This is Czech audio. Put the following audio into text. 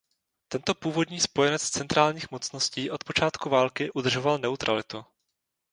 Tento původní spojenec centrálních mocností od počátku války udržoval neutralitu.